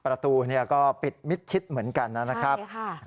ประตูก็ปิดมิดชิดเหมือนกันนะครับ